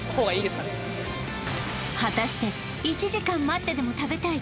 果たして１時間待ってでも食べたい